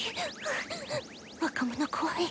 若者怖い。